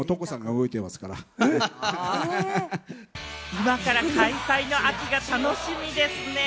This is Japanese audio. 今から開催の秋が楽しみですね。